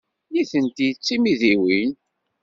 Nitenti d timidiwin.